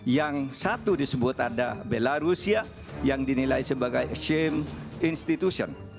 yang satu disebut ada belarusia yang dinilai sebagai shame institution